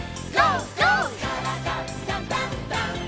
「からだダンダンダン」